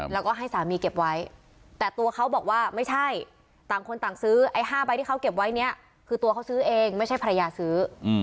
แล้วก็ให้สามีเก็บไว้แต่ตัวเขาบอกว่าไม่ใช่ต่างคนต่างซื้อไอ้๕ใบที่เขาเก็บไว้เนี่ยคือตัวเขาซื้อเองไม่ใช่ภรรยาซื้อ